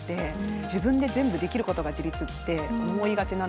自分で全部できることが自立って思いがちなんですけど。